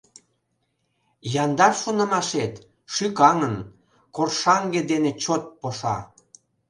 Яндар шонымашет, шӱкаҥын, Коршаҥге дене чот поша.